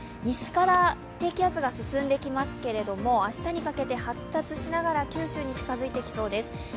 西から低気圧が進んできますけれども、明日にかけて発達しながら九州に近づいてきそうです。